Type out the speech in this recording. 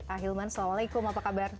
ahilman assalamualaikum apa kabar